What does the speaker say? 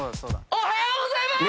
おはようございまーす！